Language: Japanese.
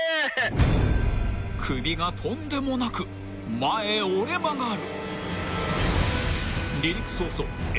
［首がとんでもなく前へ折れ曲がる］